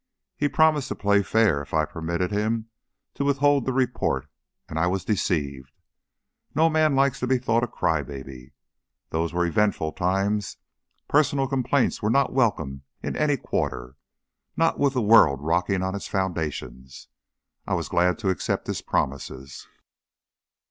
He promised to play fair if I'd permit him to withhold the report, and I was deceived. No man likes to be thought a cry baby. Those were eventful times; personal complaints were not welcomed in any quarter not with the world rocking on its foundations. I was glad to accept his promises.